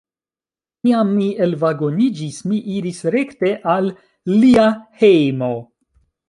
Kiam mi elvagoniĝis, mi iris rekte al lia hejmo.